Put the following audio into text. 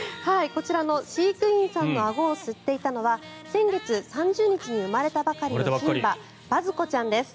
こちらの飼育員さんのあごを吸っていたのは先月３０日に生まれたばかりの牝馬バズ子ちゃんです。